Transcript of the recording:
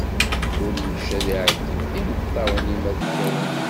Kullec ad iɛeddi, imeṭṭawen-im ad kawen.